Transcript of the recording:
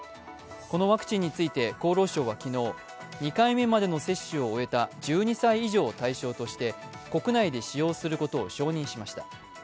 このワクチンについて厚労省は昨日２回目までの接種を終えた１２歳以上を対象として国内で使用することを承認しました。